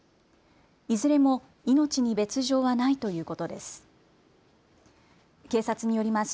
いずれも命に別状はないということです。